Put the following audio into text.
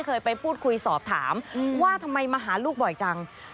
เคยไปพูดคุยสอบถามว่าทำไมมาหาลูกบ่อยจัง